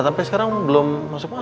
sampai sekarang belum masuk rumah